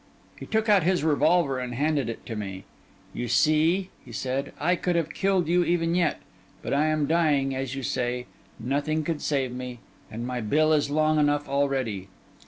He took out his revolver and handed it to me. 'You see,' he said, 'I could have killed you even yet. But I am dying, as you say; nothing could save me; and my bill is long enough already.